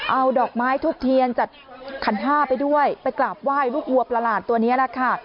เอาดอกไม้ทูบเทียนจัดขันห้าไปด้วยไปกราบไหว้ลูกวัวประหลาดตัวนี้แหละค่ะ